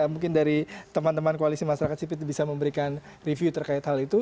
mungkin dari teman teman koalisi masyarakat sipil bisa memberikan review terkait hal itu